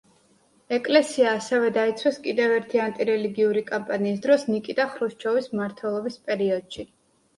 ეკლესია ასევე დაიცვეს კიდევ ერთი ანტირელიგიური კამპანიის დროს ნიკიტა ხრუშჩოვის მმართველობის პერიოდში.